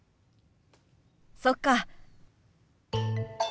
そっか。